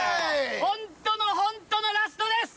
ホントのホントのラストです！